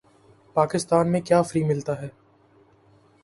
پاکستان میں کیا فری ملتا ہے